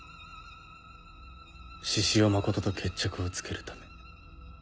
志々雄真実と決着をつけるため。